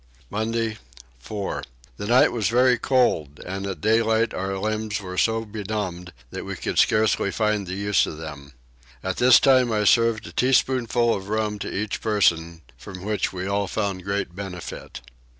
Monday 4. The night was very cold and at daylight our limbs were so benumbed that we could scarce find the use of them. At this time I served a teaspoonful of rum to each person, from which we all found great benefit.